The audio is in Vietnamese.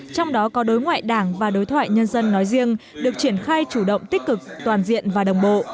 trong đó có đối ngoại đảng và đối thoại nhân dân nói riêng được triển khai chủ động tích cực toàn diện và đồng bộ